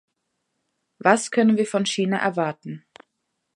Was können wir von China erwarten?